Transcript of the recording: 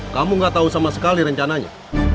kamu gak tahu sama sekali rencananya